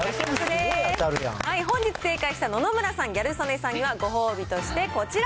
本日正解した野々村さん、ギャル曽根さんには、ご褒美としてこちら。